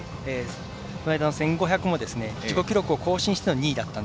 こないだの１５００も自己記録を更新した２位でした。